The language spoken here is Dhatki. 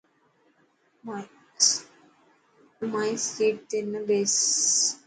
مائي سيٽ تي نه ٻيس.